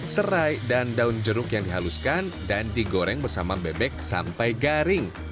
serai dan daun jeruk yang dihaluskan dan digoreng bersama bebek sampai garing